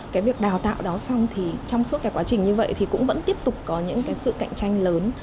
cái việc đào tạo đó xong thì trong suốt cái quá trình như vậy thì cũng vẫn tiếp tục có những cái sự cạnh tranh lớn